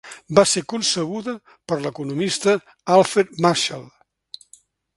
Va ser concebuda per l’economista Alfred Marshall.